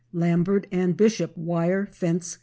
Lambert & Bishop Wire Fence Co.